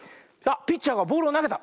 ピッチャーがボールをなげた。